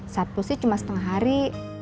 sabtu sih cuma setengah hari